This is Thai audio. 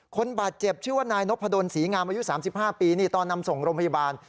คนบาดเจ็บชื่อว่านายนพดลศรีงามอายุ๓๕ปีนี่ตอนนำส่งโรงพยาบาล